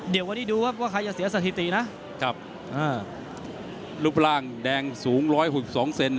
เดี๋ยววันนี้ดูครับว่าใครจะเสียสถิตินะครับอ่ารูปร่างแดงสูงร้อยหกสองเซน